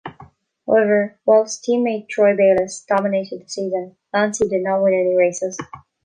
However, whilst team-mate Troy Bayliss dominated the season, Lanzi did not win any races.